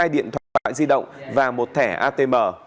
hai điện thoại di động và một thẻ atm